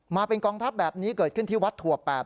มาเป็นกองทัพแบบนี้เกิดขึ้นที่วัดถั่วแปด